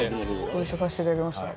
ご一緒させていただきました。